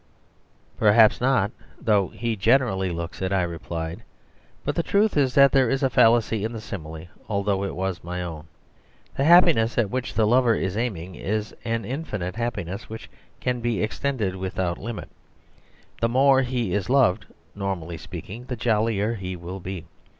"Perhaps not; though he generally looks it," I replied. "But the truth is that there is a fallacy in the simile, although it was my own. The happiness at which the lover is aiming is an infinite happiness, which can be extended without limit. The more he is loved, normally speaking, the jollier he will be.